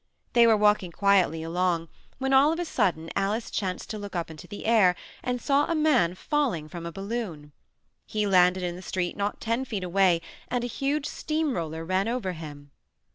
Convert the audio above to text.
They were walking quietly along when, all of a sudden, Alice chanced to look up into the air and saw a man falling from a balloon. He landed in the street not ten feet away and a huge steam roller ran over him.